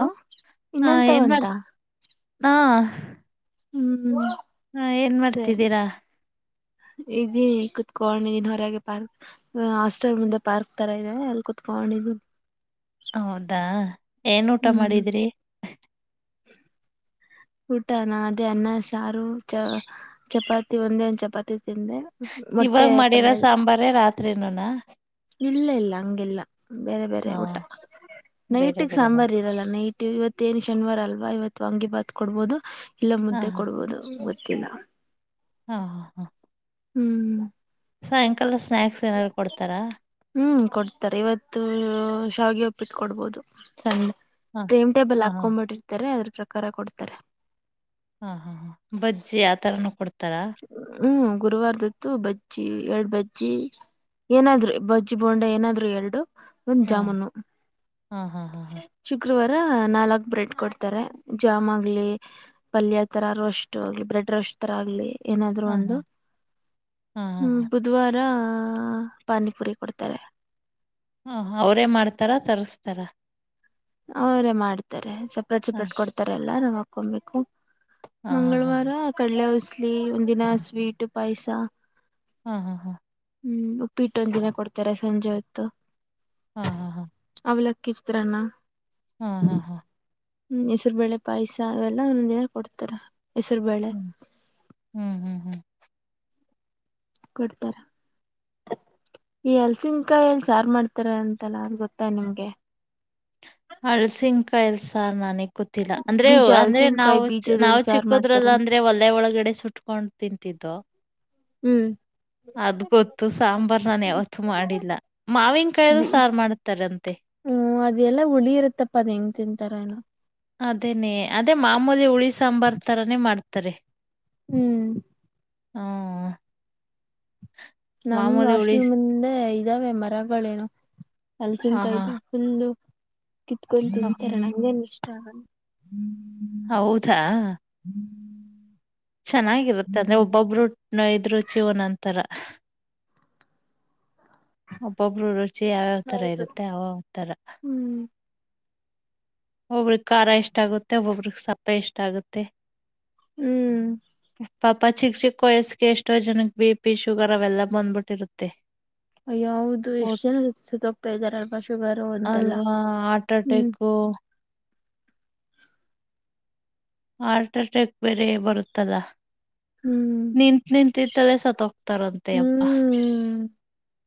ನೂ ಹಲೋ. ಹಾ ಇನ್ನೊಂತ ಏನ್ ಮಾಡ್ ತಗೊಂತಾ. ಹಾ ಹ್ಮ್ ಹ್ಮ್ಮ್ ಹಾ ಏನ್ ಮಾಡ್ತಿದ್ದೀರಾ. ಇದಿ ಕುತ್ಕೊಂಡ ಇದೀನ್ ಹೊರಗೆ ಪಾರ್ಕ್ ಹಾಸ್ಟೆಲ್ ಮುಂದೆ ಪಾರ್ಕ್ ತರ ಇದೆ ಅಲ್ಲಿ ಕುತ್ಕೊಂಡ. ಪಾಣಿ [unintelligible] ಹೌದಾ ಏನ್ ಊಟ ಹ್ಮ್ ಮಾಡಿದ್ರಿ. ಊಟ ನ ಅದೇ ಅನ್ನ ಸಾರು ಚ ಚಪಾತಿ ಒಂದೇ ಒಂದ ಚಪಾತಿ ತಿಂದೆ. ಇವಾಗ ಮೊಟ್ಟೆ ಮಾಡಿರೋ ಪಲ್ಯ ಸಾಂಬಾರೆ ರಾತ್ರಿನುನಾ. ಇಲ್ಲ ಇಲ್ಲ ಹಂಗೆಲ್ಲ ಬೇರೆ ಬೇರೆ ಹಾ ಊಟ ಬೇರೆ ನೈಟಿಗೆ ಬೇರೆ ಮಾಡ ಸಾಂಬಾರ್ ಇರಲ್ಲ ನೈಟ್. ಇವತ್ ಏನ್ ಶನಿವಾರ ಅಲ್ವಾ ಇವತ್ತು ವಾಂಗ್ಗಿಭಾತ್ ಕೊಡಬಹುದು ಇಲ್ಲ ಹಾ ಮುದ್ದೆ ಕೊಡಬಹುದು. [unintelligible] ಹಾ ಹಾ ಹಾ ಹ್ಮ್ ಸಾಯಂಕಾಲ ಸ್ನ್ಯಾಕ್ಸ್ ಏನಾರು ಕೊಡ್ತಾರಾ. ಹ್ಮ್ ಕೊಡ್ತಾರೆ ಇವತ್ತು ಶಾವಿಗೆ ಉಪ್ಪಿಟ್ಟು ಕೊಡ್ಬೋದು ಸಂಡೆ. ಹಾ ಟೈಮ್ ಟೇಬಲ್ ಹಾ ಹಾ ಹಾಕೊಬಿಟ್ಟಿರ್ತಾರೆ ಅದ್ರ ಪ್ರಕಾರ ಕೊಡ್ತಾರೆ. ಹಾ ಹಾ ಹ ಬಜ್ಜಿ ಆತರಾನೂ ಕೊಡ್ತಾರಾ. ಹ್ಮ್ ಗುರುವಾರದತ್ತು ಬಜ್ಜಿ ಎರಡ ಬಜ್ಜಿ. ಏನಾದ್ರು ಬಜ್ಜಿ ಬೋಂಡ ಏನಾದ್ರು ಎರಡು. ಒಂದ ಹಾ ಜಾಮೂನು ಹಾ ಹಾ ಹಾ ಹಾ ಚಿ ರ ನಾಲ್ಕ್ ಬ್ರೆಡ್ ಕೊಡ್ತಾರೆ ಜಾಮ್ ಆಗ್ಲಿ ಪಲ್ಯ ತರ ರೋಸ್ ಆಗ್ಲಿ ಬ್ರೆಡ್ ರ್. ಏನಾದ್ರೂ ಹಾ ಒಂದು ಹಾ ಹಾ ಹಾ ಬುಧವಾರ. ಪಾನಿಪುರಿ ಕೊಡ್ತಾರೆ. ಹ ಅವ್ರೇ ಮಾಡ್ತಾರ ತರ್ಸ್ತಾರ. ಅವ್ರೇ ಮಾಡ್ತಾರೆ ಸಪ್ರೇಟ್ ಹಾ ಸಪ್ರೇಟ್ ಕೊಡ್ತಾರೆ ಎಲ್ಲ ನಾವು ಹಾಕೊಬೇಕು ಹಾ ಹಾ ಮಂಗಳವಾರ ಕಡಲೆ ಉಸ್ಲಿ ಒಂದಿನ ಸ್ವೀಟ್ ಪಾಯಸ. ಹಾ ಹಾ ಹಾ. ಹ್ಮ್ ಉಪ್ಪಿಟ್ಟ ಒಂದ ದಿನ ಕೊಡ್ತಾರೆ ಸಂಜೆ ಹೊತ್ತು. ಹಾ ಹಾ ಹಾ. ಅವಲಕ್ಕಿ ಚಿತ್ರನ್ನ. ಹಾ ಹಾ ಹಾ ಹಾ ಹ್ಮ್ ಹೆಸರು ಬೇಳೆ ಪಾಯಸ ಅವೆಲ್ಲ ಒಂದಂದ ದಿನ ಕೊಡ್ತಾರ. ಹ್ಮ್ ಹ್ಮ್ ಹ್ಮ್ ಹ್ಮ್. ಕೊಡ್ತಾರೆ. ಈ ಹಲಸಿನಕಾಯಿ ಸಾರು ಮಾಡ್ತಾರೆ ಅಂತಲ್ಲ ಅ ಗೊತ್ತಾಯ ನಿಮ್ಗೆ. ಹಲಸಿನಕಾಯಲ್ಸಾರ್ ನನಗ್. ಗೊತ್ತಿಲ್ಲ ಅಂದ್ರೆ ಬೀಜ ಅಂದ್ರೆ ಹಲಸಿನಕಾಯಿ ನಾವು ನಾವು ಬೀಜದಲ್ಲಿ ಸಾರು ಚಿಕ್ಕದ್ರಲ್ಲ ಮಾಡ್ತಾರಂತೆ ಅಂದ್ರೆ ಒಳ್ಳೆ ಒಳಗಡೆ ಸುಟ್ಟ. ಉಟ್ಕೊಂಡ್ ತಿಂತಿದ್ದು. ಹ್ಮ್. ಅದ್ ಗೊತ್ತು ಸಾಂಬಾರ್ ನಾನ ಯಾವತ್ತು ಮಾಡಿಲ್ಲ ಮಾವಿನಕಾಯ್ದ ಸಾರು ಮಾಡ್ತಾರ ಅಂತೆ. ಹ್ಮ್ ಅದೆಲ್ಲಾ ಹುಳಿ ಇರತ್ತಪ್ಪ ಅದ್ ಹೆಂಗ್ ತಿಂತಾರ ಏನ ಅದೇನೇ ಅದೇ ಮಾಮೂಲಿ ಹುಳಿ ಸಾಂಬಾರ್ ತರಾನೇ ಮಾಡ್ತಾರೆ. ಹ್ಮ್ ಹ್ಮ. ನಮ್ ಹಾಸ್ಟೆಲ್ ಸ- ಮುಂದೆ ಇದಾವೆ ಮರಗಳೇನು. ಆಹಾ ಹಲಸಿನಕಾಯಿದು ಫುಲ್ಲು. ಕಿತ್ಕೊಂಡು ಹ ತಿಂತಾರೆ ನಂಗೇನ್ ಇಷ್ಟ ಆಗಲ್ಲ. ಹೌದಾ. ಚೆನ್ನಾಗಿರುತ್ತೆ ಅಂದ್ರೆ ಒಬ್ಬೊಬ್ರು ನೊಯ್ರು ರುಚಿ ನಂತರ. ಒಬ್ಬಬರು. ಚಿ ಯಾವ್ಯಾವ್ ತರ ಹೌದು ಇರುತ್ತೆ ಯಾವ ತರ. ಹ್ಮ್ ಒಬ್ಬ್ರಿಗೆ ಖಾರ ಇಷ್ಟ ಆಗುತ್ತೆ ಒಬ್ಬೊಬ್ರಿಗೆ ಸಪ್ಪೆ ಇಷ್ಟ ಆಗುತ್ತೆ. ಹ್ಮ್ ಹ. ಪಾಪ ಚಿಕ್ ಚಿಕ್ಕ ವಯಸ್ ಎಷ್ಟೋ ಜನಕ್ ಬಿ ಪಿ ಶುಗರ್ ಅವೆಲ್ಲ ಬಂದ್ಬಿಟ್ಟಿರುತ್ತೆ. ಅಯ ಹೌದು ಒಟ್ ಎಷ್ಟು ಜನ ಸ ಸುತ್ತ ಹೋಗ್ತಾ ಇದ್ದಾರಲ್ವಾ ಶುಗರು ಅಂತೆಲ್ಲ. ಅಲ್ವಾ ಹಾರ್ಟ್ ಹ್ಮ್ ಅಟ್ಯಾಕ್ಕು. ಹಾರ್ಟ್ ಅಟ್ಯಾಕ್ ಬೇರೆ ಬರುತ್ತಲಾ. ಹ್ಮ್ ನಿಂತ ನಿಂತಿದ್ದಲೇ ಸತ್ತ ಹೋಗ್ತಾರಂತೆ ಅಪ್ಪಾ. ಹ್ಮ್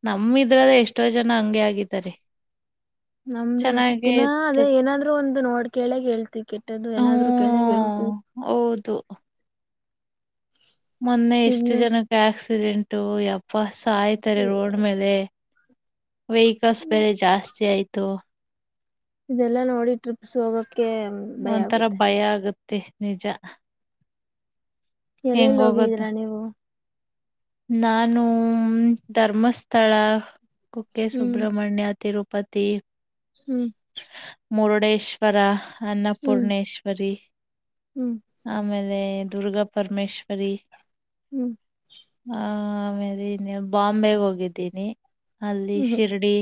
ನಮಿದ್ರಲ್ಲ ಎಷ್ಟೋ ಜನ ಹಂಗೆ ಆಗಿದ್ದಾರೆ ನಮ್ರಲ್ಲಿ ಚೆನ್ನಾಗಿ ಸುತ್ತಿನ ಅದೇ ಏನಾದ್ರು ಒಂದು ನೋಡ್ ಕೇಳಗಗ್ ಹೇಳ್ತಿೀವಿ ಕೆಟ್ಟದ್ದು ಏನಾದ್ರು ಕೆೇಳಗ್ ಹೇಳ್ತವಿ ಹ ಹೌದು ಮೊನ್ನೆ ಎಷ್ಟು ಇನ್ನು ಜನಕ್ಕೆ ಆಕ್ಸಿಡೆಂಟು ಯಪ್ಪ ಸಾಯ್ತಾರೆ ರೋಡ್ ಮೇಲೆ. ವೆಹಿಕಲ್ಸ್ ಬೇರೆ ಜಾಸ್ತಿ ಆಯ್ತು. ಇದೆಲ್ಲಾ ನೋಡಿ ಟ್ರಿಪ್ಸ್ ಹೋಗಕ್. ಒಂಥರ ಭಯ ಆಗತ್ತೆ ನಿಜ. ಹೆಂಗ್ ಎಲ್ಲಲ್ಲಿ ಹೋಗೋದು ಹೋಗಿದ್ದೀರಾ ನೀವು. ನಾನು ಧರ್ಮಸ್ಥಳ ಕುಕ್ಕೆ ಹ್ಮ್ ಸುಬ್ರಮಣ್ಯ ತಿರು. ಪ್ಪತ್ತೇ. ಹ್ಮ್. ಮುರುಡೇಶ್ವರ ಹ್ಮ್ ಅನ್ನಪೂರ್ಣೇಶ್ವರಿ ಹ್ಮ್ ಆಮೇಲೆ. ದುರ್ಗಾ ಪರಮೇಶೇಶ್ವರಿ ಹ್ಮ್ ಆ ಆಮೇಲೆ ಬಾಂಬೆ ಹೋಗಿದ್ದೀನಿ ಅಲ್ಲಿ ಹ್ಮ್ ಶಿರ್ಡಿ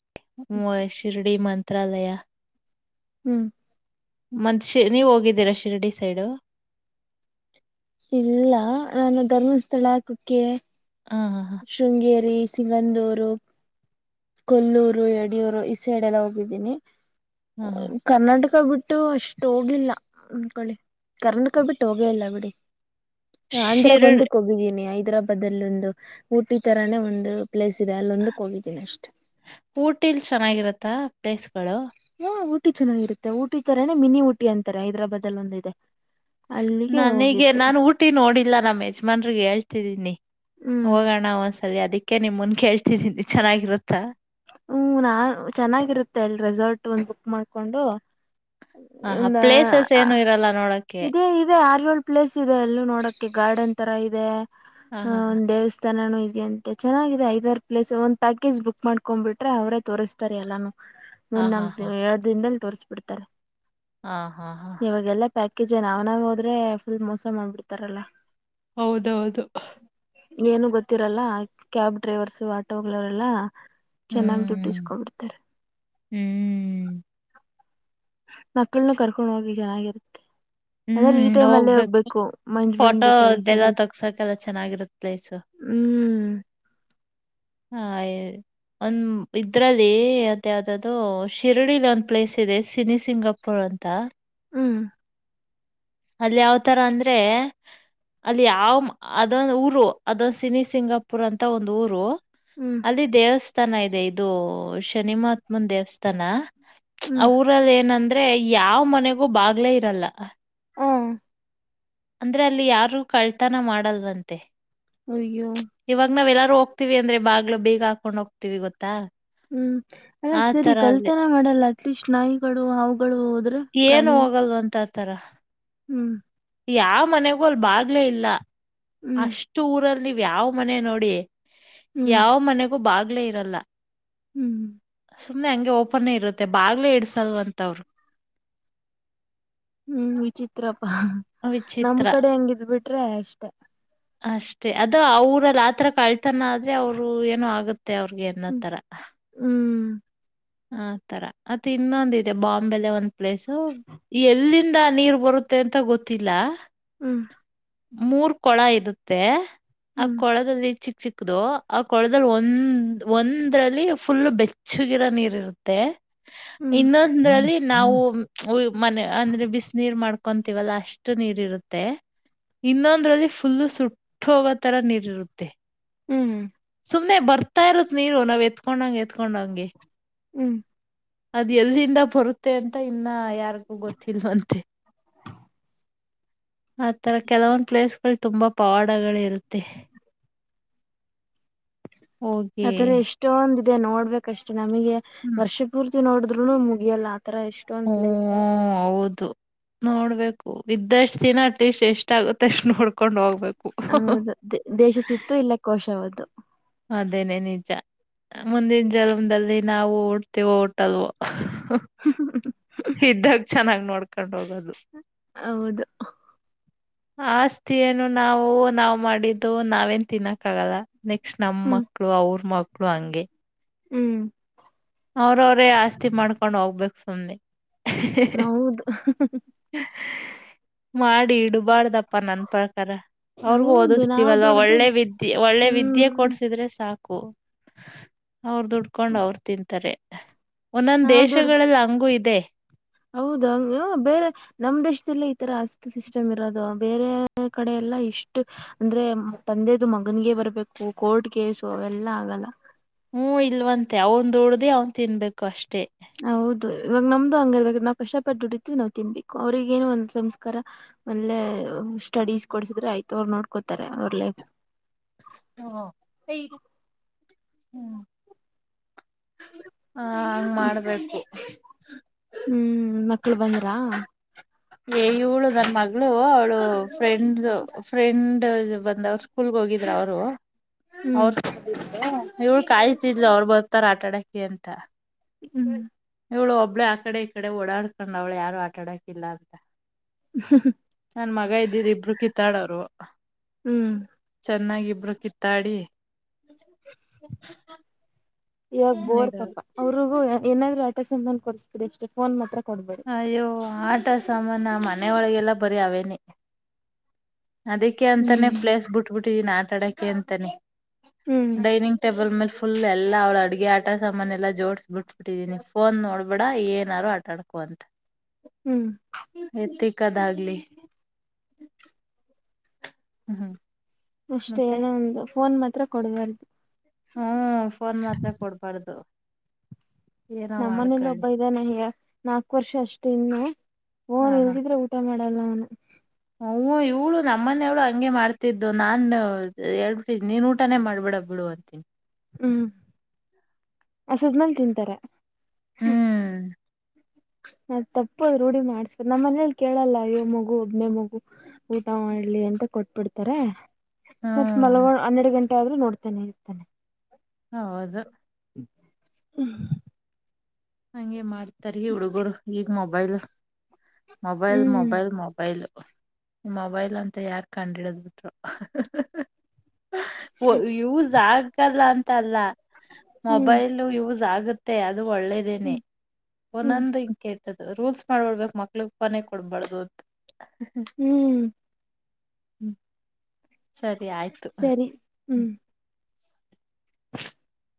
ಶಿರ್ಡಿ ಮಂತ್ರಾಲಯ ಹ್ಮ್ ಮಂದ್ ಶ ನೀವ್ ಹೋಗಿದ್ದೀರಾ ಶಿರಡಿ ಸೈಡು ಇಲ್ಲ ನಾನು ಧರ್ಮಸ್ಥಳ ಹಾಕಕ್ಕೆ ಹ ಹ ಶೃಂಗೇರಿ ಸಿಂಗಂದೂರು ಕೊಲ್ಲೂರು ಯಡಿಯೂರು ಈ ಸೈಡ್ ಎಲ್ಲ ಹೋಗಿದ್ದೀನಿ ಹ ಹ ಕರ್ನಾಟಕ ಕಬಿಟ್ಟು ಅಷ್ಟು ಹೋಗಿಲ್ಲ ಅಂದಕೊಳ್ಳಿ ಕರ್ನಾಟಕ ಬಿಟ್ಟು ಹೋಗೇ ಇಲ್ಲ ಬಿಡಿ ಅಂದ್ರಾಗ ಶಿರ್ಡ್ ಒಂದಕ್ಕೆ ಹೋಗಿದ್ದೀನಿ ಹೈದ್ರಾಬಾದ್ ಅಲ್ಲಿ ಒಂದು ಊಟಿ ತರಾನೇ ಒಂದು ಪ್ಲೇಸ್ ಇದೆ ಅಲ್ಲೊಂದಕ್ಕೆ ಹೋಗಿದ್ದೀನಿ ಅಷ್ಟೆ ಊಟಿಲ್ ಚೆನ್ನಾಗಿರತ್ತಾ ಪ್ಲೇಸ್ಗಳು ಹಾ ಊಟಿ ಚೆನ್ನಾಗಿರುತ್ತ ಊಟಿ ತರನನೆ ಮಿನಿ ಊಟಿ ಅಂತಾರೆ ಹೈದರಾಬಾದ ಅಲ್ಲಿ ಒಂದು ಇದೆ ನಾನಗೆ ನಾನು ಊಟಿ ನೋಡಿಲ್ಲ ನಮ್ಮ ಯಜಮಾನ್ರಿಗೆ ಹೇಳ್ತಿದ್ದೀನಿ ಹ್ಮ್ ಹೋಗೋಣ ಒಂದ್ಸರಿ ಅದಕ್ಕೆ ನಿಮ್ ಮುನ್ ಕೇಳ್ತಿದ್ದೀನಿ ಚೆನ್ನಾಗಿರುತ್ತಾ ಹ್ಮ್ ನಾನ್ ಚೆನ್ನಾಗಿರುತ್ತೆ ಅಲ್ ರೆಸಾರ್ಟ್ ಒಂದು ಬುಕ್ ಮಾಡ್ಕೊಂಡು ಹ ಹಾ ಒಂದ ಪ್ಲೇಸಸ್ ಏನು ಇರಲ್ಲ ನೋಡಕ್ಕೆ ಇೇ ಇದೆ ಯಾರಗಲ್ ಪ್ಲೇಸ್ ಇದೆ ಎಲ್ಲೂ ನೋಡಕ್ಕೆೆ ಗಾರ್ಡನ್ ತರ ಇದೆ ಹ ಅ ಹಾ ಒಂದು್ ದೇವಸ್ಥ ತನಾನೂ ಇದದೆ ಅಂತೆ ಚೆನ್ನಾಗಿದೆ ಐದಾರು ಪ್ಲೇಸ್ ಒಂದು ಪ್ಯಾಕೇ್ ಬುಕ್ ಮಾಡ್ಕೊಂಡ್ಬಿಟ್ರೆ ಅವರೇ ತೋರಿಸ್ತಾರೆ ಎಲ್ಲಾನು ಹಾ ಮೂರ್ ಹಾ ನಾಲ್ಕ ಹಾ ದ ಎರಡು ದಿನದಲ್ಲಿ ತೋರ್ಸ್ ಬಿಿಡ್ತಾರೆ ಹಾ ಹಾ ಹಾ ಪ್ಯಾಕೇಜ್ಏನ ಅವ್ನಾಗ ಹೋದ್ರೆ ಫುಲ್ ಮೋಸ ಮಾಡಬಿಡ್ತಾರಲ್ಲಾ ಹೌದೌದು. ಏನು ಗೊತ್ತಿರಲ್ಲ ಕ್ಯಾಬ್ ಡ್ರೈವರ್ಸು ಆಟೋಗಳವರೆಲ್ಲಾ ಚೆನ್ನಾಗಿ ಹ್ಮ್ ದುಡಿಸ್ಕೊಬಿಡ್ತಾರೆ ಹ್ಮ್ ಮಕ್ಳನು ಕರ್ಕೊಂಡು ಹೋಗಿ ಚೆನ್ನಾಗಿರುತ್ತೆ. ಅಂದ್ರೆ ಈ ಟೈಮ್ ಅಲ್ಲೇ ಹೋಗ್ಬೇಕು ಮಂಜ್ ಮಂಜು ಚಳಿ ಫೋಟೋದೆಲ್ಲ ಚಳಿ. ತಗ್ಸಕೆಲ್ಲ ಚೆನ್ನಾಗಿರುತ್ ಹ್ಮ್ ಹಾ. ಒಂದ ಇದ್ರಲ್ಲಿ ಅದ ಯಾವ್ದೂ ಶಿರಡಿಲಿ ಒಂದ್ ಪ್ಲೇಸ್ ಇದೆ ಸಿನ ಸಿಂಗ. ತಪ್ಪರು ಅಂತ ಹ್ಮ್ ಅದ ಯಾವ್ತರ ಅಂದ್ರೆ. ಅಲ್ಲಿ ಯಾವ್ ಅದೊಂದ ಊರು ಅದೊಂದ ಸಿನ ಸಿಂಗಾಪುರ್ ಅಂತ ಒಂದು ಊರು ಹ್ಮ್ ಅಲ್ಲಿ ದೇವಸ್ಥಾನ ಇದೆ ಇದು ಶನಿಮಹಾತ್ಮನ್ ದೇವಸ್ಥಾನ. ಹ್ಮ್ ಅವಊರಲ್ಲಿ ಏನಂದ್ರೆ ಯಾವ ಮನೆಗೂ ಬಾಗ್ಲೇ ಇರಲ್ಲ ಹಾ. ಅಂದ್ರೆ ಅಲ್ಲಿ ಯಾರೂ ಕಳ್ತನ ಮಾಡಲ್ವಂತೆ ಅಯ್ಯೋ. ಹೋಗ್ತೀವಿ ಅಂದ್ರ ಬಾಗ್ಲು ಬೇಗ ಹಾಕೊಂಡ ಹೋಗ್ತಿವಿ ಗೊತ್ತ ಹ್ಮ್ ಅಲ್ಲ ಸರಿ ಅಲ್ಲಿ ಕಳ್ತಾರ ಮಾಡಲ್ಲ ಅಟ್ಲೀಸ್ಟ್ ನಾಯಿಗಳು ಅವು ಏನು ಹೋಗಲ್ವ ಅಂತ ಆ ತರ ಹ್ಮ್. ಯಾವ ಮನೆಗೂ ಅಲ್ ಬಾಗ್ಲೇ ಇಲ್ಲ ಹ್ಮ್ ಅಷ್ಟ ಊರಲ್ಲಿ ನೀವ್ ಯಾವ ಮನೆ ನೋಡಿ ಯಾವ ಮನೆಗೂ ಬಾಗ್ಲೇ ಇರಲ್ಲ. ಹ್ಮ್್ಮ ಸುಮ್ನೆ ಹಂಗೆ ಓಪನ್ ಇರುತ್ತೆ ಬಾಗ್ಲೇ ಇಡ್ಸಲ್ವಂತ ಅವರು. ಹ್ಮ್ ವಿಚಿತ್ರಪ್ಪಾ ವಿಚಿತ್ರ ನಮ ಕಡೆ ಹೆಂಗಿದ್ ಬಿಟ್ರೆ ಅಷ್ಟೆ ಅಷ್ಟೇ ಅದು ಅವ್ರಲ್ಲಿ ಆತರ ಕಲ್. ತನ ಆದ್ರೆ ಅವ್ರು ಏನೋ ಆಗುತ್ತೆ ಅವ್ರಿಗೆಏನ್ನೋ ಹ್ಮ್ ತರ ಹ್ಮ್ ಆ ತರ ಮತ್ತ ಇನ್ನೊಂದ ಇದೆ ಬಾಂಬೆಲೆ ಒಂದ್ ಪ್ಲೇಸು ಎಲ್ಲಿಂದ ನೀರ್. ಬರುತ್ತೆ ಅಂತ ಗೊತ್ತಿಲ್ಲ ಹ್ಮ್ ಮೂರ್ ಕೊಳ ಇರುತ್ತೆ ಆ ಹ್ಮ್ ಕೊಳದಲ್ಲಿ ಚಿ. ಚಿಕ್ಕದು ಆ ಕೊಳಲ್ ಒಂದ್ ಒಂದ್ರಲ್ಲಿ ಫುಲ್ ಬೆಚ್ಚಗಿರೋ ನೀರ್ ಇರುತ್ತೆ. ಹ್ಮ್ ಇನ್ನೊಂದ್ರಲ್ಲಿ ನಾವು ಮನೆ ಅಂದ್ರೆ ಬಿಸ ನೀರ್ ಮಾಡ್ಕೊಂತೀವಲ್ಲ ಅಷ್ಟು ನೀರು ಇರುತ್ತೆ. ಇನ್ನೊಂದ್ರಲ್ಲಿ ಫುಲ್ಲು ಸುಟ್ಟು ಹೋಗೋ ತರ ನೀರ್ ಇರುತ್ತೆ. ಹ್ಮ್ ಹ್ಮ್ ಸುಮ್ನೆ ಬರ್ತಾ ಇರತ್ ನೀರು ನಾವ್ ಎತ್ಕೊಂಡಂಗ ಎತ್ಕೊಂಡಂಗೆ. ಹ್ಮ್ ಅದ್ ಎಲ್ಲಿಂದ ಬರುತ್ತೆ ಅಂತ ಇನ್ನ ಯಾರಿಗೂ ಗೊತ್ತಿಲ್ವಂತೆ [unintelligible] ಆತರ ಕೆಲವೊಂದು ಪ್ಲೇಸ್ಗಳು ತುಂಬಾ ಪವಾಡಗಳ ಇರುತ್ತೆ ಆತರ ಎಷ್ಟೊಂದಿದೆ ನೋಡ್ಬೇಕಷ್ಟು ನಮಗೆ ಹ್ಮ್ ವರ್ಷ ಪೂರ್ತಿ. ನೋಡಿದ್ರುನು ಮುಗಿಯಲ್ಲ ಆತರ ಎಷ್ಟೊಂದ್ ಪ್ಲೇಸ್ಗಳು ಹ್ಮ್ ಹೌದು ನೋಡ್ಬೇಕು ಇದ್ದಾಷ್ಟು ದಿನ ಅಟ್ಲೀಸ್ಟ್ ಎಷ್ಟ ಆಗುತ್ತೆ ಅ ನೋಡ್ಕೊಂಡ್ ಹೋಗ್ಬೇಕು. ಹೌದು ದೇಶ ಸುತ್ತು ಇಲ್ಲ ಕೋಶ ಓದು ಅದೇನೆೇ ನಿಜ ಮುಂದಿನ ಜನ್ಮದಲ್ಲಿ ನಾವು ಹುಟ್ಟುತಿವೋ ಹುಟ್ಟಲ್ವೋ ಇದ್ದಾಗ ಚೆನ್ನಾಗಿ ನೋಡ್ಕೊಂಡ್ ಹೋಗೋದು ಹೌದು. ಆಸ್ತಿ ಏನು ನಾವು ನಾವ್ ಮಾಡಿದ್ದು ನಾವೇನ್ ತಿನ್ನಕ್ಕಗಲ್ಲ ನೆಕ್ಸ್ಟ್ ನಮ್ಮ ಹ್ಮ್ ಮಕ್ಳು ಅವ್ರ ಮಕ್ಳು ಹಂಗೆ. ಹ್ಮ್ ಅವ್ರವ್ರೇ ಆಸ್ತಿ ಮಾಡ್ಕೊಂಡ್ ಹೋಗ್ಬೇಕು ಸುಮ್ಮನೆ ಹೌದು ಮಾಡಿ ಇಡುಬರ್ದಪ್ಪಾ ಪ್ಪಾ ನನ್ ಪ್ರಕಾರ ಅವ್ರಿಗೂ ಹೌದು ನಾವು ಓದಿಸ್ತೀವಲ್ವಾ ದುಡ್ದಿದ್ ಒಳ್ಳೆ ವಿದ್ಯೆ ಒಳ್ಳೆ ವಿದ್ಯೆ ಹ್ಮ್ ಕೊಡ್ಸಿದ್ರೆ ಸಾಕು ಅವ್ರ ದುಡ್ಕೊಂಡ್ ಅವರು ತಿಂತಾರೆ ತ್ತಾರೆ ಒಂದೊಂದ ದೇಶಗಳಲ್ಲಿ ಹಂಗು ಇದೆ ಹೌದ ಹಂಗ ಬೇರೆ ನಮ್ ದೇಶದಲ್ಲ ಈತರ ಆಸ್ತಿ ಸಿಸ್ಟಮ್ ಇರೋದು ಬೇರೆ ಕಡೆಲ್ಲ ಲ್ಲ ಇಷ್ಟು ಅಂದ್ರೆ ತಂದೆದು ಮಗನ್ಗೆ ಬರ್ಬೇಕು ಕೋರ್ಟ್ ಕೇಸು ಅವೆಲ್ಲಾ ಆಗಲ್ಲ ಹ್ಮ್ ಇಲ್ವಂತೆ ಅವನ್ ದುಡ್ಡಿ ಅವ್ನ್ ತಿನ್ಬೇಕು ಅಷ್ಟೆ ಹೌದು ಇವಾಗ ನಮ್ದು ಹಂಗ ಇವಾಗ ನಾವು ಕಷ್ಟಪಟ್ಟ ದುಡ್ಡಿವಿ ನಾವು ತಿನ್ಬೇಕು ಅವ್ರಗೇನು ಒಂದ್ ಸಂಸ್ಕಾರ ಒಳ್ಳೆ ಸ್ಟಡೀಸ್ ಕೊಡ್ಸಿದ್ರೆ ಆಯ್ತು ಅವ್ರು ನೋಡ್ಕೋತಾರೆ ಅವ್ರ ಲೈಫ್ ಹ ಹೇ ಹ್ಮ್ಮ್ ಹಾ ಹಂಗ ಮಾಡ್ಬೇಕು ಹ್ಮ್ ಮಕ್ಳು ಬಂದ್ರ ಏ ಇವಳು ನನ್ ಮಗಳು ಅವಳು ಫ್ರೆಂಡ್ ಫ್ರೆಂಡ್ ಬಂದ ಅವ್ ಸ್ಕೂಲ್ ಹೋಗಿದ್ರ ಅವರು ಹ್ಮ್ ಅವ್ರ ಇವಳ ಕಾಯ್ತಿದ್ಲ ಅವರು ಬರ್ತಾರ ಆಟ ಆಡೋಕೆ ಅಂತ ಹ್ಮ್ ಇಳು ಒಬ್ಳೇ ಆ ಕಡೆ ಈ ಕಡೆ ಓಡಾಡ್ಕೊಂಡ್ ಅವ್ಳು ಯಾರು ಆಟ ಆಡಕಿಲ್ಲ ಅಂತ ನನ್ ಮಗ ಇದ್ದೀರಿ ಇಬ್ರು ಕಿತ್ತಾಡೋರು ಹ್ಮ್ ಚೆನ್ನಾಗಿ ಇಬ್ರು ಕಿತ್ತಾಡಿ ಇವಾಗ ಬೋರ್ ಇಡೋರು ಪಾಪಾ ಅವ್ರಿಗೂ ಏನಾದ್ರು ಆಟ ಸಾಮಾನು ಕೊಡಿಸ್ಬಿಡಿ ಅಷ್ಟೆ ಫೋನ್ ಮಾತ್ರ ಕೊಡ್ಬೇಡಿ ಅಯ್ಯೋ ಆಟ ಸಾಮಾನ ಮನೆ ಒಳಗೆಲ್ಲ ಬರಿ ಅವೇನೆ ಅದಕ್ಕೆ ಅಂತಾನೆ ಹ್ಮ್ ಪ್ಲೇಸ್ ಬಿಟ್ಬಿಟ್ಟಿದೀನ ಆಟಾಡಕ್ಕೆೆ ಅಂತಾನೆ ಹ್ಮ್ ಡೈನಿಂಗ ಟೇಬಲ್ ಮೇಲೆ ಫುಲ್ ಎಲ್ಲ ಅವ್ಳ ಅಡುಗೆ ಆಟ ಸಾಮಾನ ಎಲ್ಲ ಜೋಡಸ್ ಬಿಟ್ ಬಿಟ್ಟಿದೀನಿ ಫೋನ್ ನೋಡ್ಬೇಡ ಏನಾರು ಆಟ ಆಡ ಒಂದ್ ಹ್ಮ್ ಎತ್ತಿಕದಾಗಲಿ ಹ್ಮ್ ಹ್ಮ್ ಅಷ್ಟೇ ಮತ್ತೆ ಏನ ಒಂದು ಫೋನ್ ಮಾತ್ರ ಕೊಡಬಾರ್ದು ಹ್ಮ ಫೋನ್ ಮಾತ್ರ ಕೊಡ್ಬಾರ್ದು ಏನೋ ನಮ್ಮನೇಲಿ ಮಾಡ್ಕೊಳ್ಳಿ ಒಬ್ಬ ಇದಾನ ನಾಕು ವರ್ಷ ಅಷ್ಟು ಇನ್ನು ಹಾ ಓನ್ ಇಲ್ದಿದ್ರೆ ಊಟ ಮಾಡ ನಲ್ಲ ಹ ಇವಳು ನಮ್ಮನವ್ಳು ಹಂಗೆ ಮಾಡ್ತಿದ್ದು ನಾನು ಹೇಳ್ಬಿಟ್ಟಿದಿ ನೀನ್ ಊಟಾನೇ ಮಾಡಬೇಡ ಬಿಡು ದಿನ ಹ್ಮ್ ಹಸದ್ಮೇಲ್ ತಿಂತಾರೆ ಹ್ಮ್ [inaudible] ನಾ ತಪ್ಪ ರೂಢಿ ಮಾಡ್ಸ್ಬೇಕು ನಮ್ಮ್ ಮನೇಲಿ ಕೇಳಲ್ಲ ಅಯ್ಯ ಮಗು ಒಬ್ಬನೇ ಮಗು ಊಟ ಮಾಡ್ಲಿ ಅಂತ ಕೊಟ್ಬಿಡ್ತಾರೆ ಮತ್ತ್ ಹ್ಮ್ ಮಲಗೋ ಹನ್ನೆರಡು ಗಂಟೆ ಆದ್ರೆ ನೋಡ್ತಾನೆ ಇರ್ತಾನೆ ಹೌದು ಹ್ಮ ಹಂಗಗೆ ಮಾಡ್ತಾರ ಹುಡುಗರು ಈಗ್ ಮೊಬೈಲ್ ಮೊಬೈಲ್ ಹ್ಮ್ ಮೊಬೈಲ್ ಮೊಬೈಲ್ ಮೊಬೈಲ್ ಅಂತ ಯಾರ್ ಕಂಡು ಹಿಡಿದ್ ಬಿಟ್ರೋ ಯೂಸ್ ಆಗಲ್ಲ ಅಂತಲ್ಲ ಹ್ಮ್ ಮೊಬೈಲ್ ಯೂಸ್ ಆಗುತ್ತ ಮತ್ತೆ ಅದು ಒಳ್ಳೇದೇನೆ ಹ್ಮ್ ಹ್ಮ್ ಒಂದೊಂದು ಹಿ ಕೆಟ್ಟದು ರೂಲ್ಸ್ ಮಾಡ್ಬಳ್ಬೇಕು ಮಕ್ಳ ಳ ಫೋನೇ ಕೊಡ್ಬಾರ್ದು ಅಂತ ಹ್ಮ್ ಹ್ಮ ಸರಿ ಆಯ್ತು ಸರಿ ಹ್ಮ ಹ್ಮ್ [inaudible]